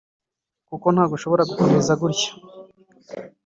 kuko ntabwo nshobora gukomeza gutya